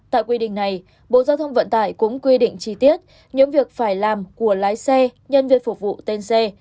tại quy định này bộ giao thông vận tải cũng quy định chi tiết những việc phải làm của lái xe nhân viên phục vụ tên xe